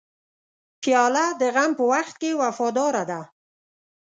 پیاله د غم په وخت وفاداره ده.